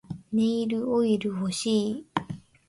ネイルオイル欲しい